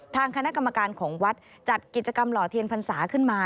ทางคณะกรรมการของวัดจัดกิจกรรมหล่อเทียนพรรษาขึ้นมา